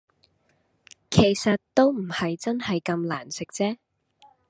其實都唔係真係咁難食啫